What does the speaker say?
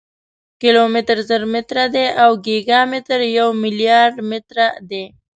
کیلومتر زر متره دی او ګیګا متر یو ملیارډ متره دی.